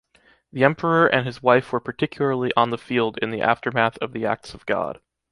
The emperor and his wife were particularly on the field in the aftermath of the acts of god.